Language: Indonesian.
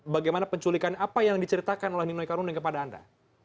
bagaimana penculikan apa yang diceritakan oleh nino ika rundeng kepada anda